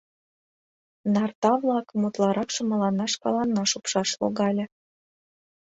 Нарта-влакым утларакше мыланна шкаланна шупшаш логале.